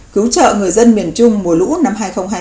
cứu trợ người dân miền trung mùa lũ năm hai nghìn hai mươi